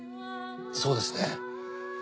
そうですね。